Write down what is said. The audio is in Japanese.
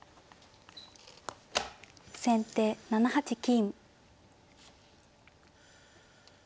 先手７八金。